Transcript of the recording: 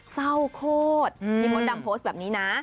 เศร้าโคตรพี่มดดำโพสต์แบบนี้นะ